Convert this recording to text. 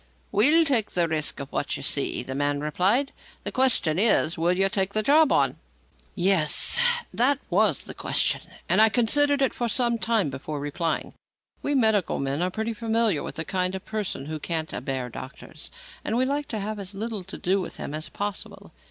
"We'll take the risk of what you see," the man replied. "The question is, will you take the job on?" Yes; that was the question, and I considered it for some time before replying. We medical men are pretty familiar with the kind of person who "can't abear doctors," and we like to have as little to do with him as possible.